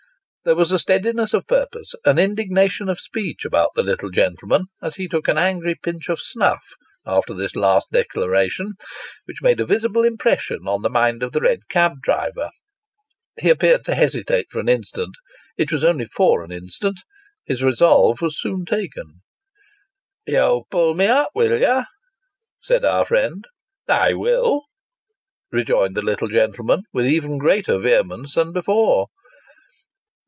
There was a steadiness of purpose, and indignation of speech, about the little gentleman, as he took an angry pinch of snuff, after this last declaration, which made a visible impression on the mind of the red cab driver. He appeared to hestitate for an instant. It was only for an instant ; his resolve was soon taken. " You'll pull me up, will you ?" said our friend. " I will," rejoined the little gentleman, with even greater vehemence than before.